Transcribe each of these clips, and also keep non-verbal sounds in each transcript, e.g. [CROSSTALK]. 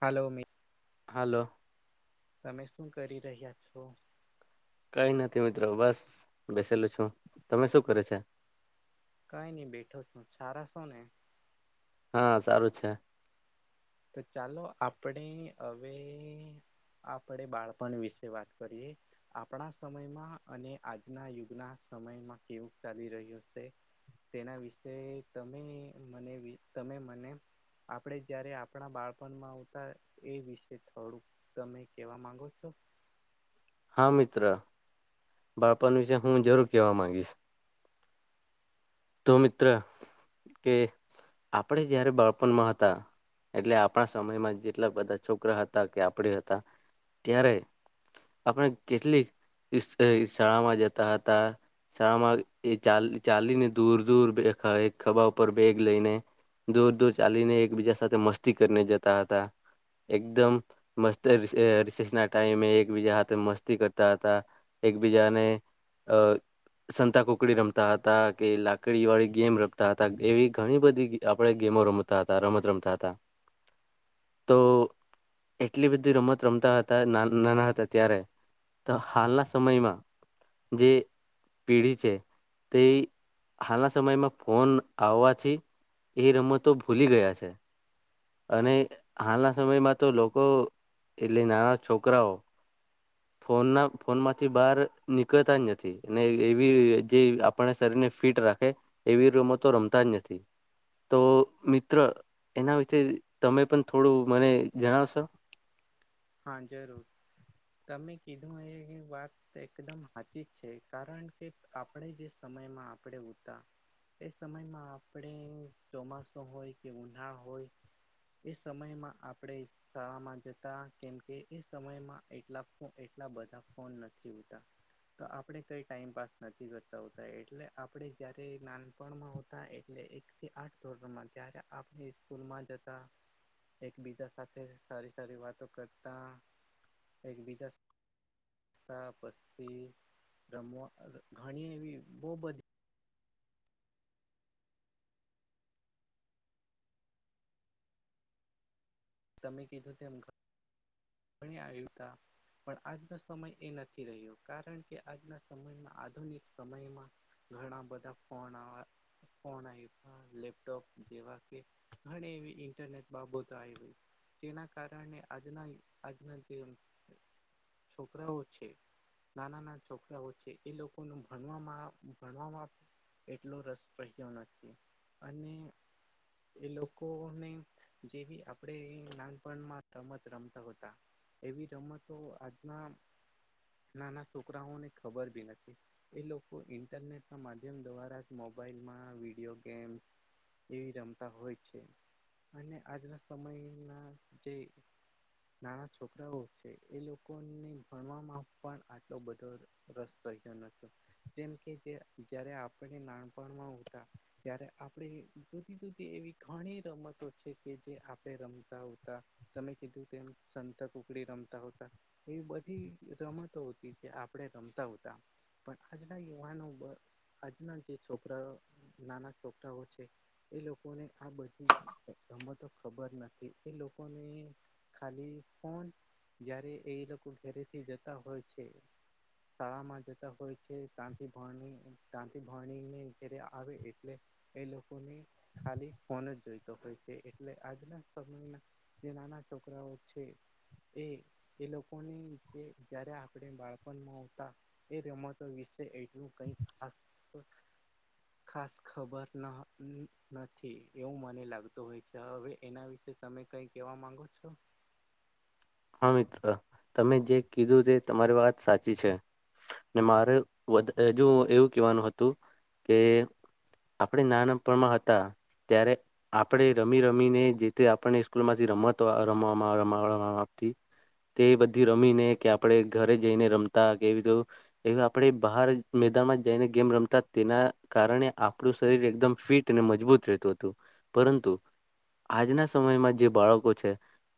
હાલો મિ હાલો તમે શું કરી રહ્યા છો? કઈ નથી મિત્રો બસ બેસેલું છું, તમે શું કરો છે? કઈ નઈ બેઠો છું, સારા છો ને? હા સારું છે. તો ચાલો આપણે હવે આપડે બાળપણ વિશે વાત કરીએ. આપણા સમયમાં અને આજના યુગના સમયમાં કેવું ચાલી રહ્યું છે. તેના વિશે તમે મને તમે મને આપણે જ્યારે આ આપણા બાળપણમાં હુતા એ વિશે થોડુંક તમે કેવા માંગો છો? હા મિત્ર બાળપણ વિશે હું જરૂર કેવા માંગીશ તો મિત્ર કે આપડે જયારે બાળપણમાં હતા એટલે આપણા સમયમાં જેટલા બધા છોકરા હતા કે આપડે હતા ત્યારે આપણે કેટલી શાળામાં જતા હતા શાળામાં એ ચાલ ચાલીને દૂર દૂર જતા એ ખભા ઉપર બેગ લઈને. દૂર દૂર ચાલીને એકબીજા સાથે મસ્તી કરીને જતા હતા એકદમ મસ્ત રિસેસ ના ટાઈમે એકબીજા હાથે મસ્તી કરતા હતા એકબીજાને અ સંતા કુકડી રમતા હતા કે લાકડી વાળી ગેમ રમતા હતા એવી ઘણી બધી આપણેે ગેમો રમ તા હતા રમત રમતા હતા [INAUDIBLE] તો એટલી બધી રમત રમતા હતા ના નાના હતા ત્યારે તો હાલના સમયમાં જે પેઢી છે તે હાલના સમયમાં ફોન આવવાથી એ રમતો ભૂલી ગયા છે. અને હાલના સમયમાં તો લોકો એટલે નાના છોકરાઓ [INAUDIBLE] ફોનના ફોન માંથી બહાર નીકળતા જ નથી એવી જે આપણે શરીરને ફિટ રાખે એવી રમતો રમતા જ નથી તો મિત્ર એના વિ તે તમે પણ થોડું મને જણાવશો. હા જરૂર, તમે કીધું એવી વાત તો એકદમ હાચી જ છે કારણ કે આપણે જે સમયમાં આપણે ઉતા એ સમયમાં આપણે ચોમાસું હોય કે ઉનાળો હોય. એ સમયમાં આપણે શાળામાં જતાં. કેમકે એ સમયમાં એટલા ફો એટલાં બધાં ફોન નથી ઉતા. તો આપણે કંઈ ટાઈમ પાસ નથી કરતાં હોતાં એટલે આપણે જ્યારે નાનપણમાં હોતાં એટલે એક થી આઠ ધોરણમાં ત્યારે આપણે સ્કૂલમાં જતાં. એકબીજા સાથે સારી સારી વાતો કરતાં એકબીજા તો પસી રમવા ઘણી એવી બો બધી તમે કીધું તેમ ઘણી આવ્યું તા. પણ આજનો સમય એ નથી રહ્યો કારણ કે આજના સમયમાં આધુનિક સમયમાં ઘણાં બધા ફોન આવા ફોન આયવ લેપટોપ જેવા કે ઘણી એવી ઈન્ટરનેટ બાબતો આયવી. તેના કારણે આજના યુ આજના જે છોકરાઓ છે નાનાં-નાના છોકરાઓ છે એ લોકોનું ભણવામાં ભણવામાં એટલો રસ રહ્યો નથી અને એ લોકોને જેવી આપ નાનપણમાં રમત રમતા હતાં એવી રમતો આજનાં નાનાં છોકરાઓને ખબર બી નથી. એ લોકો ઈન્ટરનેટના માધ્યમ દ્વારા જ મોબાઈલમાં વિડીયો ગેમ એવી રમતા હોય છે અને આજના સમયના જે નાના છોકરાઓ છે એ લોકોને ભણવામાં પણ આટલો બધો રસ્તો રહયો નતો જેમ કે જયારે આપણે નાનપણમાં ઉતા ત્યારે આપણે જુદી જુદી એવી ઘણી રમતો છે કે જે આ તે રમતા ઉતા તમે કીધું તેમ સંતાકૂકડી રમતાં ઉતા. એવી બધી રમતો ઉતી ત્યાં આપણે રમતાં ઉતા. પણ આજના યુવાનો બ આજના જે છોકરાઓ નાનાં છોકરાઓ છે એ લોકોને આ બ રમતો ખબર નથી એ લોકોને ખાલી ફોન જ્યારે એ લોકો ઘેરીથી જતાં હોય છે. શાળામાં જતા હોય છે તાથી ભણી ભણીને ઘેરે આવે એટલે એ લોકોની ખાલી ફોન જ જોયતો હોય છે. એટલે આજના સમયના જે નાનાં છોકરાઓ છે. એ એ લોકોની જે જ્યારે આપણે બાળપણમાં ઉતા એ રમતો વિશે એટલું કંઈક ખાસ ખાસ ખબર ન નથી એવું મને લાગતું હોય છે હવે એના વિશે તમે કઈ કહેવા માંગો છો? હા મિત્ર, તમે જે કીધું તે તમારી વાત સાચી છે. ને મારે વધ હજુ એવું કહેવાનું હતું કે આપણે નાનપણમાં હતાં ત્યારે આપણે રમી રમીને જે તે આપણને સ્કૂલમાંથી રમત રમવ રમાળવા તી તે બધી રમીને કે આપણે ઘરે જઈને રમતાં કે એવી તો એવી આપણે બહાર મેદાનમાં જઈને ગેમ રમતાં તેના કારણે આપણું શરીર એકદમ ફિટ અને મજબૂત રહેતું હતું પરંતુ આજનાં સમયમાં જે બાળકો છે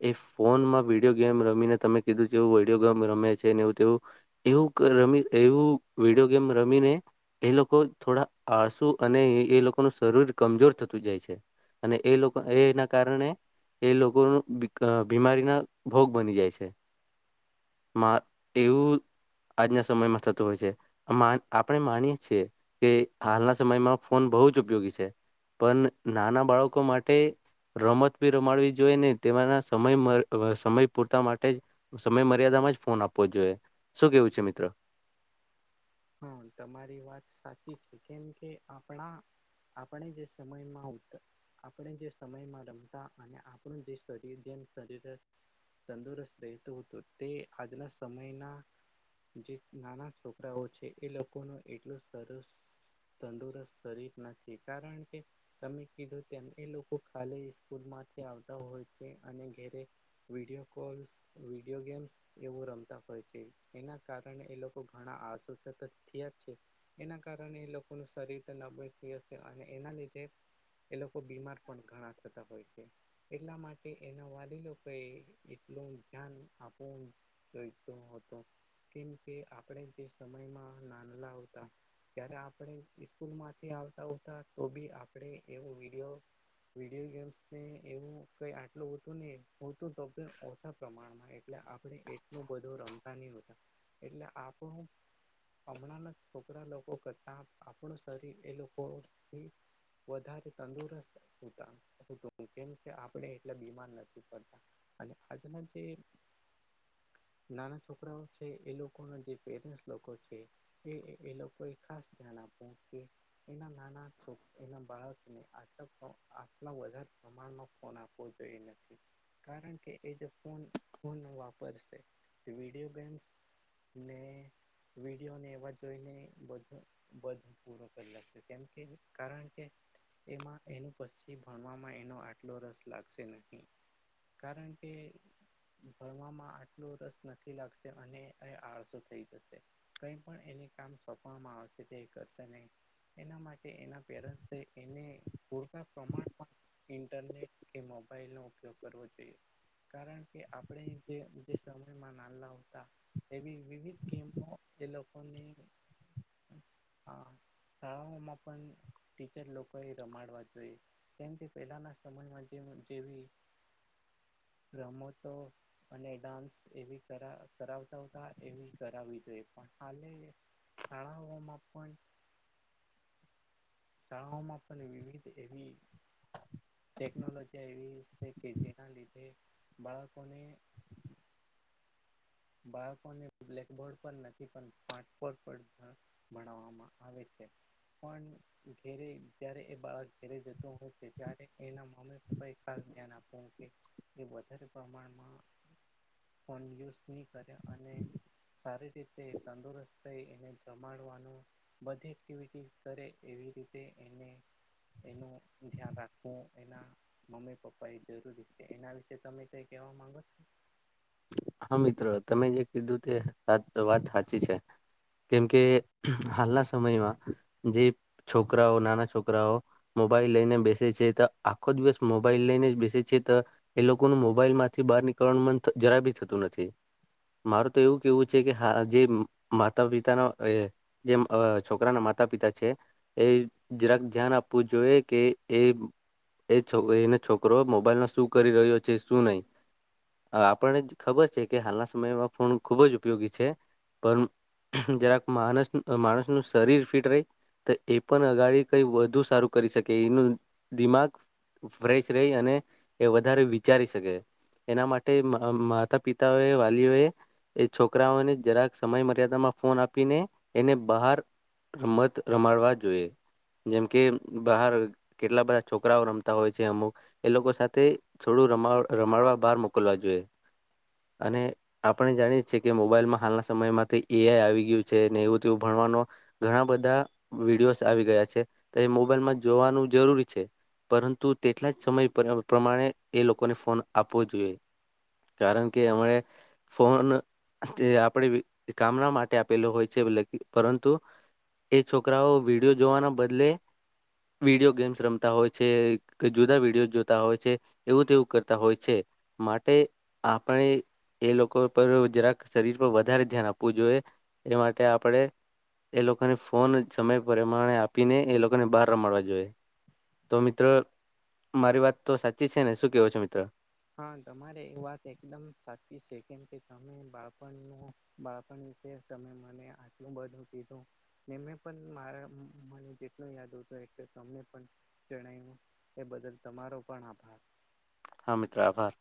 એ ફોનમાં વિ ડયો ગેમ રમીને તમે કીધું જે એવું ઓડિયો ગેમ રમે છે ને એવું તેવું એવુંક રમી એવું વિડીયો ગેમ રમીને એ લોકો થોડા આળસુ અને એ લોકોનું શરીર કમજોર થતું જાય છે. અને એ લોકો એના કારણે એ લોકોનું બી અ બીમારીના ભોગ બની જાય છે, મા એવું આજના સમયમાં થતો હોય છે. આપણે માનીએ છીએ કે, હાલના સમયમાં ફોન બહુ જ ઉપયોગી છે. પણ નાના બાળકો માટે રમત બી રમાડવી જોઈએ ને, તેમાંના સમય મ સમય પૂરતા માટે જ સમય મર્યાદામાં જ ફોન આપવો જ જોઈએ, શું કેવું છે? મિત્રો. હા, તમારી વાત સાચી છે. કેમ કે આપણા આપણે જે સમયમાં ઉતર આપણે જે સમયમાં રમતા અને આપણું જે શરીર જેમ શરીર તંદુરસ્ત રહેતો હતો, તે આજના સમયના જે નાના છોકરાઓ છે, એ લોકો નું એટલું સરસ. તંદુરસ્ત શરીર નથી, કારણ કે તમે કીધું તેમ એ લોકો ખાલી સ્કૂલમાંથી આવતા હોય છે, અને ઘરે વીડયો કોલસ. વિડીયો ગેમ્સ એવું રમતા હોય છે, એના કારણે એ લોકો ઘણા આસ થીયા છે. એના કારણે એ લોકોનું શરીર નબળુહશે, અને એના લીધે એ લોકો બીમાર પણ ઘણા થતા હોય છે. એટલા માટે એના વાલી ઓ એ એટલું ધ્યાન આપવું. જોઈતો હતો, કેમ કે આપણે જે સમયમાં નાનલા હતા. ત્યારે આપણે સ્કૂલ માંથી આવતા હોતા, તો બી આપણે એવો વિડીયો વિડીયો ગેમ્સ ને, એવું કઈ આટલું હતું નહી, હ તો તો ઓછા. પ્રમાણમાં એટલે આપણે એટલું બધું રમતા નહીં હોતા, એટલે આપણે હમણાંના છોકરા લોકો કરતા, આપણું શરીર એ લોકોથી વધારે તંદુરસ્ત, કેમ કે આપણે એટલે બીમાર નથી પડતા. અને આજના જે નાના છોકરાઓ છે, એ લોકો ના જે પેરેન્ટ લોકો છે, એ એ લોકો એ ખાસ ધ્યાન આપો કે એના નાના છોકરા, એના બાળકને આટ આટલા વધારે પ્રમાણનો ફોન આપવો જોઈએ. કઈ નથી. કારણ કે એ જે ફોન ફોન ન વાપર છે, વિડીયો ગેમ્સ. ને વિડીયોને એવા જોઈને બધું. બધો પૂરો કરી લશે, કેમ કે, કારણ કે એમાં એનું પશ્ચીમ ભણવામાં એનો આટલો રસ લાગશે નહીં. કારણ કે. ભણવામાં આટલો રસ નથી લાગતો, અને એ આળસુ થઈ જશે. કઈ પણ એની કામ સોંપવામાં આવશે તે, કરશે નહી. એના માટે એના પેરન્ટ એને પૂરતા પ્રમાણમાં. ઇન્ટરનેટ કે મોબાઈલ નો ઉપયોગ કરવો જોઈએ. કારણ કે આપણે જે જે સમયમાં નાલા હતા. એવી વિવિધ ગેમ એ લોકોને, હ. શાળાઓમાં પણ ટીચર લોકો એ રમાડવા જોઈએ. જેમથી પહેલાના સમયમાં જે જેવી રમતો. અને ડાન્સ એવી કરાવતા, એવી કરાવવી જોઈએ. પણ હાલે શાળાઓમાં પણ. શાળાઓમાં પણ વિવિધ એવી ટેકનોલોજી આવી છે કે, જેના લીધે બાળકોને બાળકોને બ્લેકબોર્ડ પર નથી, પણ સ્માર્ટબોર્ડ પર. ભણવામાં આવે છે, પણ ઘેરે જ્યારે એ બાળક ઘેરે જતો હોય છે, ત્યારે એના મમ્મી- પપ્પા એ ખાસ ધ્યાન આપવું કે એ વધારે પ્રમાણમાં ફોન યુઝ નહી કરે, અને સારી રીતે તંદુરસ્ત થઈ એને જમાડવાનું, બધી એક્ટિવિટી કરે એવી રીતે એને એનું ધ્યાન રાખવું એના મમ્મી પપ્પા એ જરૂરી છે એના વિશે તમે કઈ કેહેવા માંગો છો. હા મિત્ર તમે જે કીધું તે સાત વાત હાચી છે. કેમકે હાલના સમયમાં જે છોકરાઓ નાના છોકરાઓ મોબાઈલ લઈને બેસે છે તો આખો દિવસ મોબાઈલ લઈને જ બેસે છે તો એ લોકોનું મોબાઈલ માંથી બહાર નીકળવાણ મન તો જરાબી થતું નથી. મારું તો એવું કેવું છે કે હા જે માતા પિતાનો એ જેમ અ છોકરાના માતા પિતા છે. એ જરાક ધ્યાન આપવું જોઈએ કે એ એ છોકરી ને છોકરો મોબાઈલમા શું કરી રહ્યો છે શું નહી. આ આપણને ખબર છે કે હાલના સમયમાં ફોન ખૂબ જ ઉપયોગી છે પણ જરાક માણસ માણસનું શરીર ફિટ રહે, તો એ પણ અગાડી કઈ વધુ સારું કરી શકે એનું દિમાગ ફ્રેશ રહી અને એ વધારે વિચારી શકે એના માટે તે મ અ માતા પિતાઓએ વાલીઓએ, એ છોકરાઓને જરાક સમય મર્યાદામાં ફોન આપીને, એને બહાર રમત રમાડવા જોઈએ, જેમ કે બહાર કેટલા બધા છોકરાઓ રમતા હોય છે અમુક એ લોકો સાથે થોડું ર રમાડવા બહાર મુક મોકલવા જોઈએ, અને આપણે જાણીએ છીએ કે મોબાઈલમાં હાલના સમયમાં કંઈ એ આઈ આવી ગયું છે ને, એવું તો એવું ભણવાનું ઘણા બધા વિડીયોઝ આવી ગયા છે, તો એ મોબાઈલમાં જોવાનું જરૂરી છે. પરંતુ તેટલા જ સમય પ્ર પ્રમાણે એ લોકોને ફોન આપવો જોઈએ. કારણ કે હમણે ફોન તે આપડે કામના માટે આપેલો હોય છે, લેકિ પરંતુ એ છોકરાઓ વિડીયો જોવાના બદલે વિડીયો ગેમ્સ રમતા હોય છે, કે જુદા વિડીયો જોતા હોય છે. એવું તેવું કરતા હોય છે. માટે આપણે એ લોકો પર જરાક શરીર પર વધારે ધ્યાન આપવું જોઈએ. એ માટે આપડે એ લોકોને ફોન સમય પ્રમાણે આપીને, એ લોકોને બહાર રમાડવા જોઈએ. તો મિત્ર, મારી વાત તો સાચી છે ને? શું કેવો છો મિત્ર? હા, તમારે એ વાત એકદમ સાચી છે, કેમ કે તમે બાળપણનો બાળપણ વિશે તમે મને આટલું બધું કીધું. મે પણ મારા મને જેટલું યાદ હતું એટલુ તમને પણ જણાવ્યું, એ બદલ તમારો પણ આભાર. હા, મિત્ર આભાર.